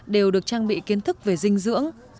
đều được trang bị kiến thức về dinh dưỡng